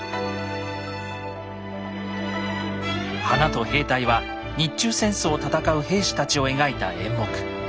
「花と兵隊」は日中戦争を戦う兵士たちを描いた演目。